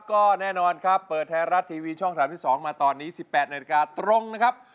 ก็แน่นอนครับเปิดไทยรัฐทีวีช่อง๓๒มาตอนนี้๑๘นาฬิกาตรงนะครับ